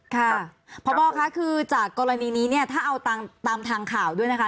ค่ะพบค่ะคือจากกรณีนี้เนี่ยถ้าเอาตามทางข่าวด้วยนะคะ